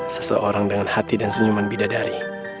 seseorang dengan hati dan senyuman bidadari